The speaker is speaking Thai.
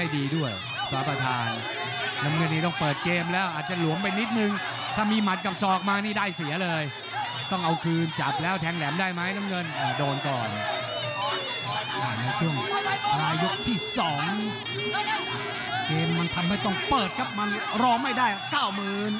มีมัดมาช่วยมีมัดมาเป้นมาเหมือนกัน